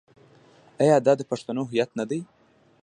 آیا دا د پښتنو هویت نه دی؟